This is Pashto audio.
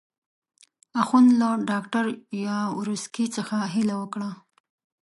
اخند له ډاکټر یاورسکي څخه هیله وکړه.